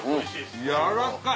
やわらかい！